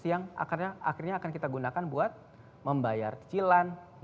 yang akhirnya akan kita gunakan buat membayar kecilan